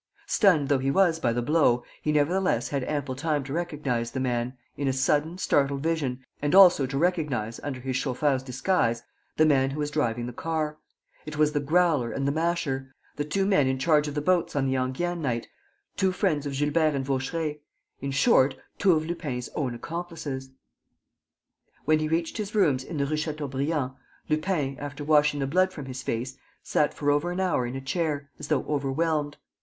Stunned though he was by the blow, he nevertheless had ample time to recognize the man, in a sudden, startled vision, and also to recognize, under his chauffeur's disguise, the man who was driving the car. It was the Growler and the Masher, the two men in charge of the boats on the Enghien night, two friends of Gilbert and Vaucheray: in short, two of Lupin's own accomplices. When he reached his rooms in the Rue Chateaubriand, Lupin, after washing the blood from his face, sat for over an hour in a chair, as though overwhelmed.